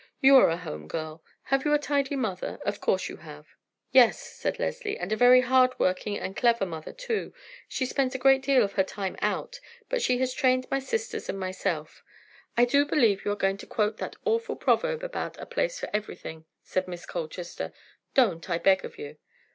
You are a home girl: have you a tidy mother? Of course you have." "Yes," said Leslie, "and a very hard working and clever mother, too. She spends a great deal of her time out, but she has trained my sisters and myself——" "I do believe you are going to quote that awful proverb about a place for everything," said Miss Colchester. "Don't, I beg of you."